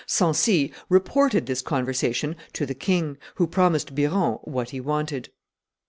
Sancy reported this conversation to the king, who promised Biron what he wanted.